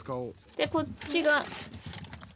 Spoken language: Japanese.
でこっちが。